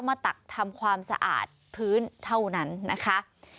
ตักทำความสะอาดพื้นเท่านั้นนะคะ